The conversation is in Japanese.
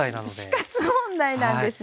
死活問題なんですね。